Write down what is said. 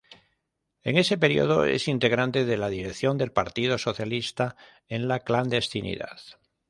En ese período es integrante de la dirección del Partido Socialista en la clandestinidad.